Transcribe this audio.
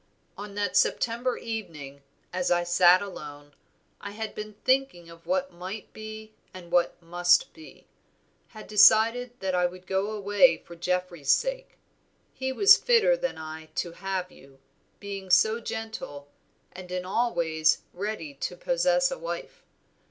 "On that September evening, as I sat alone, I had been thinking of what might be and what must be. Had decided that I would go away for Geoffrey's sake. He was fitter than I to have you, being so gentle, and in all ways ready to possess a wife.